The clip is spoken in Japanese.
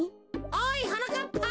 おいはなかっぱ。